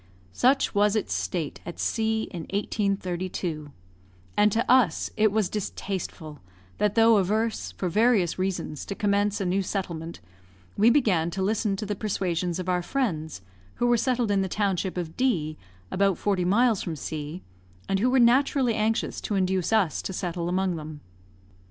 Such was its state at C , in 1832; and to us it was distasteful, that though averse, for various reasons, to commence a new settlement, we began to listen to the persuasions of our friends, who were settled in the township of D , about forty miles from C , and who were naturally anxious to induce us to settle among them.